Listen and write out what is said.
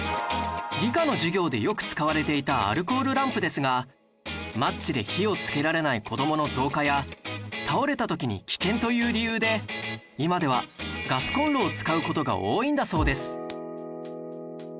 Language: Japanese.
理科の授業でよく使われていたアルコールランプですがマッチで火をつけられない子どもの増加や倒れた時に危険という理由で今ではガスコンロを使う事が多いんだそうです